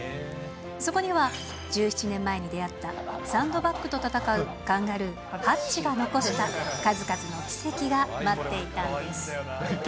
そこには１７年前に出会ったサンドバッグと戦うカンガルー、ハッチが残した数々の奇跡が待っていたんです。